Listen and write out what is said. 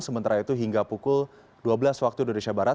sementara itu hingga pukul dua belas waktu indonesia barat